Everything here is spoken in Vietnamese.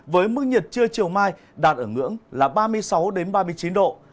với mức nhiệt trưa chiều mai đạt ở ngưỡng là ba mươi sáu ba mươi chín độ